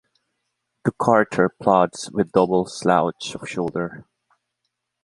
The carter plods with double slouch of shoulder.